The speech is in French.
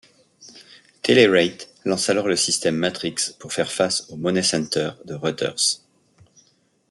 Telerate lance alors le système Matrix pour faire face au MoneyCenter de Reuters.